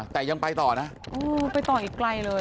แต่ยังไปต่อนะโอ้ไปต่ออีกไกลเลย